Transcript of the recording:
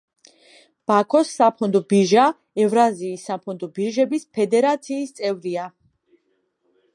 ბაქოს საფონდო ბირჟა ევრაზიის საფონდო ბირჟების ფედერაციის წევრია.